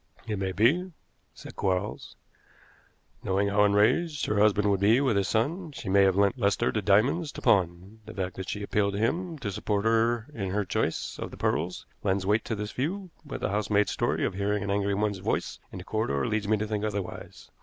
"It may be," said Quarles. "Knowing how enraged her husband would be with his son, she may have lent Lester the diamonds to pawn. The fact that she appealed to him to support her in her choice of the pearls lends weight to this view, but the housemaid's story of hearing an angry woman's voice in the corridor leads me to think otherwise.